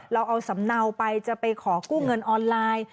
เราเอาสำเนาไปจะไปขอกู้เงินออนไลน์